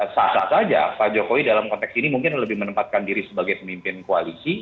sah sah saja pak jokowi dalam konteks ini mungkin lebih menempatkan diri sebagai pemimpin koalisi